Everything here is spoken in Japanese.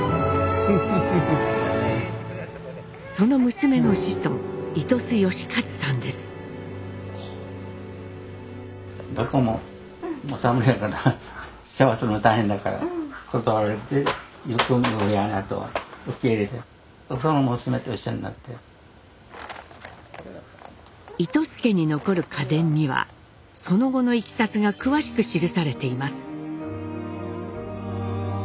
その娘の子孫糸洲家に残る家伝にはその後のいきさつが詳しく記されています。